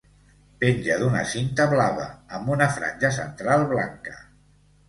Penja d'una cinta blava, amb una franja central blanca.